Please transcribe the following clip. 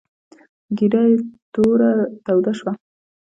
ګېډه یې توده شوه.